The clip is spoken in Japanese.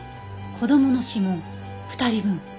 子供の指紋２人分？